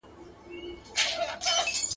هم پردې ولي په غشیو هم د ورور په وینو سور دی